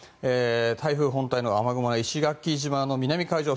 台風本体の雨雲は石垣島の南海上